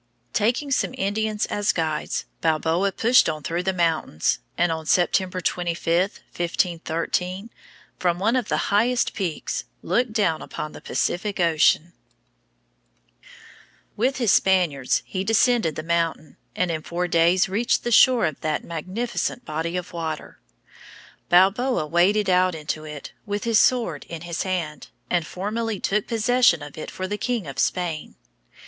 ] Taking some Indians as guides, Balboa pushed on through the mountains, and on September 25, 1513, from one of the highest peaks, looked down upon the Pacific Ocean. [Illustration: Balboa Discovering the Pacific.] With his Spaniards he descended the mountain, and in four days reached the shore of that magnificent body of water. Balboa waded out into it with his sword in his hand, and formally took possession of it for the King of Spain.